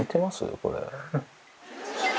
これ。